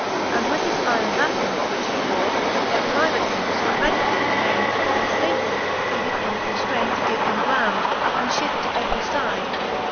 And with his yron batton, which he bore, Let drive at him fo dreadfully amaine, That for his fafety he did him conftraine To give him ground, and fhift to every fide.